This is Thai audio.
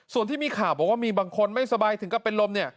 ส่วนที่มีข่าวบอกว่ามีบางคนไม่สบายถึงกับเป็นลมเนี่ย